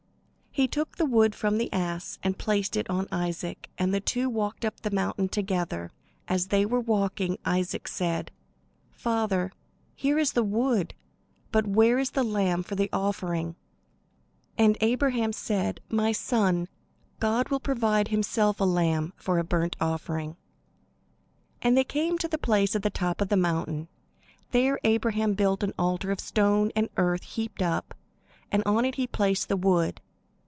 He took the wood from the ass and placed it on Isaac, and they two walked up the mountain together. As they were walking, Isaac said: "Father, here is the wood, but where is the lamb for the offering?" And Abraham said, "My son, God will provide himself a Lamb for a burnt offering." And they came to the place on the top of the mountain. There Abraham built an altar of stones and earth heaped up; and on it he placed the wood.